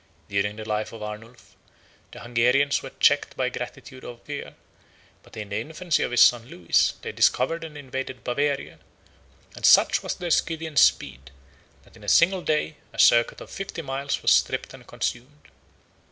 During the life of Arnulph, the Hungarians were checked by gratitude or fear; but in the infancy of his son Lewis they discovered and invaded Bavaria; and such was their Scythian speed, that in a single day a circuit of fifty miles was stripped and consumed.